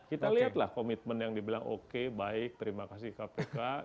kita lihatlah komitmen yang dibilang oke baik terima kasih kpk